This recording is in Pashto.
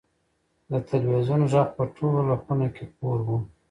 د تلویزون غږ په ټوله خونه کې خپور و.